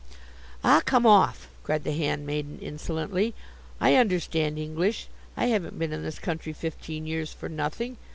_" "Ah, come off!" cried the handmaiden insolently. "I understand English. I haven't been in this country fifteen years for nothing.